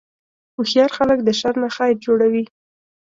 هوښیار خلک د شر نه خیر جوړوي.